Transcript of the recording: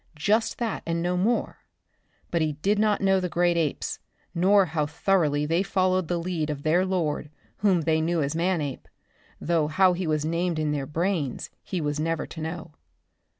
Just that and no more; but he did not know the great apes, nor how thoroughly they followed the lead of their lord whom they knew as Manape, though how he was named in their brains he was never to know.